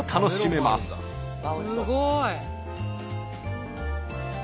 すごい。